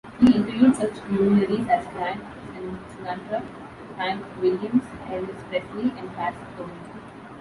He interviewed such luminaries as Frank Sinatra, Hank Williams, Elvis Presley, and Fats Domino.